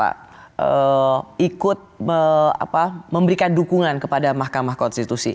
apa yang bisa kita lakukan untuk memberikan dukungan kepada mahkamah konstitusi